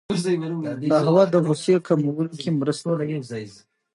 قهوه د غوسې کمولو کې مرسته کوي